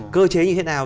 cơ chế như thế nào